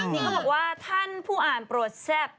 นี่เขาบอกว่าท่านผู้อ่านโปรดแซ่บ